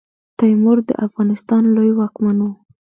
تیمور د افغانستان لوی واکمن وو.